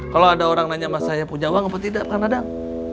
kalau ada orang nanya sama saya punya uang apa tidak pernah ada